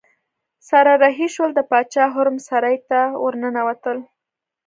سره رهي شول د باچا حرم سرای ته ورننوتل.